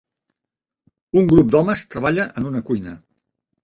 Un grup d'homes treballa en una cuina.